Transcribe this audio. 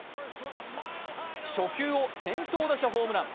初球を先頭打者ホームラン。